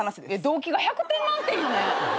動機が１００点満点やね。